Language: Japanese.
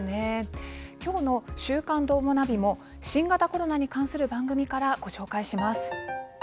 「週刊どーもナビ」も新型コロナに関する番組からご紹介します。